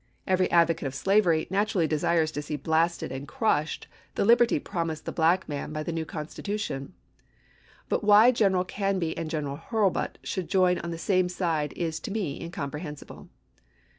Every advocate of slavery naturally desires to see blasted and crushed the liberty promised the black man by the new constitution. But why General Canby and General Hurlbut should join on the same side is to me incomprehensible.